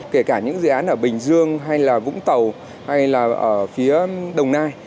kể cả những dự án ở bình dương hay là vũng tàu hay là ở phía đồng nai